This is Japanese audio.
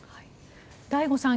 醍醐さん